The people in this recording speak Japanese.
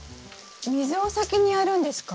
水を先にやるんですか？